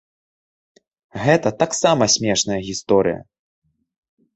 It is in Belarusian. Гэта таксама смешная гісторыя.